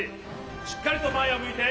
しっかりとまえをむいて。